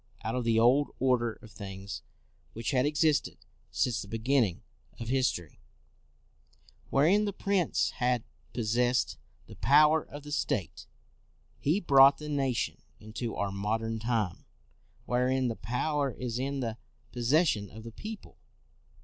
Out of the old order of things which had existed since the be ginning of history, wherein the prince had possessed the power of the state, he brought the nation into our modern time, wherein the power is in the possession of the peo ple.